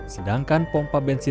sedangkan pompa bensinnya